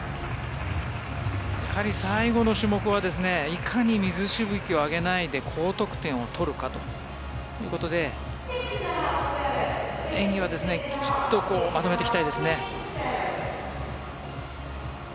最後の種目はいかに水しぶきを上げないで高得点を取るかということで演技はきちっとまとめていきたいですね。